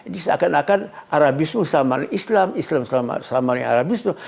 disakan akan arabisme sama dengan islam islam sama dengan arabisme